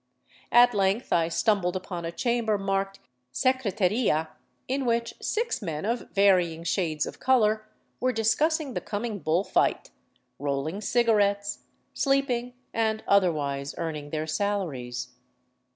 At length I stumbled upon a chamber marked " Secretaria," in which six men of varying shades of color were discussing the coming bull fight, rolling cigarettes, sleep ing, and otherwise earning their salaries.